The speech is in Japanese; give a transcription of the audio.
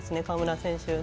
川村選手。